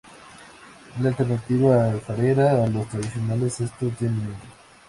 Es la alternativa alfarera a los tradicionales cestos de mimbre.